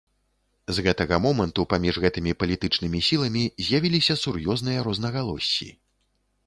З гэтага моманту паміж гэтымі палітычнымі сіламі з'явіліся сур'ёзныя рознагалоссі.